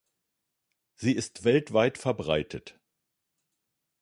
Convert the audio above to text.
Sie ist weltweit verbreitet.